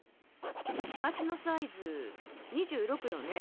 足のサイズ２６よね。